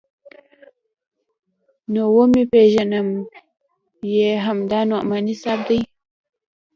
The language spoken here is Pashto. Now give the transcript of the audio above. نو ومې ويل پېژنم يې همدا نعماني صاحب دى.